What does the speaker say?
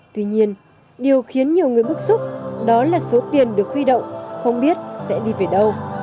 tuy nhiên điều khiến nhiều người bức xúc đó là số tiền được huy động không biết sẽ đi về đâu